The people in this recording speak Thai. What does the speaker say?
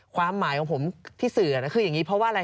ความหมายของผมที่สื่อคืออย่างนี้เพราะว่าอะไร